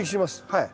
はい。